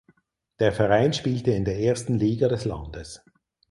Der Verein spielte in der ersten Liga des Landes.